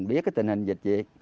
biết cái tình hình dịch gì